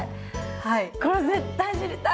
はい。